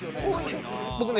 僕ね